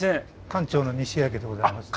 館長の西秋でございます。